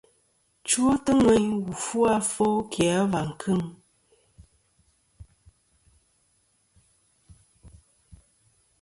Chwotɨ ŋweyn wù fu afo ki a và kɨŋ.